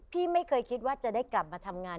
ไม่เคยคิดว่าจะได้กลับมาทำงาน